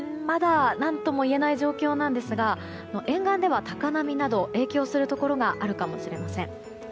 まだ何とも言えない状況なんですが沿岸では高波など影響するところがあるかもしれません。